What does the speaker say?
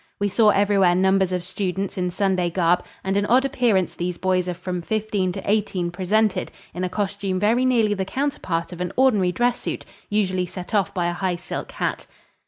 We saw everywhere numbers of students in Sunday garb, and an odd appearance these boys of from fifteen to eighteen presented in a costume very nearly the counterpart of an ordinary dress suit, usually set off by a high silk hat.